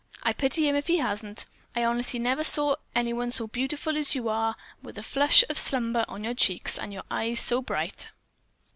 I pity him if he hasn't! I honestly never saw anyone so beautiful as you are, with the flush of slumber on your cheeks and your eyes so bright."